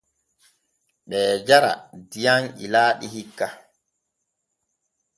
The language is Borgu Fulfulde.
Ɓee jara diyam ilaaɗi hikka.